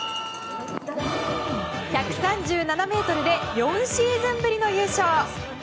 １３７ｍで４シーズンぶりの優勝。